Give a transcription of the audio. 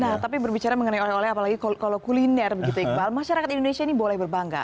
nah tapi berbicara mengenai oleh oleh apalagi kalau kuliner begitu iqbal masyarakat indonesia ini boleh berbangga